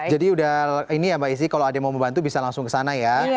jadi udah ini ya mbak hesti kalau ada yang mau membantu bisa langsung kesana ya